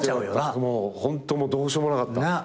もうホントどうしようもなかった。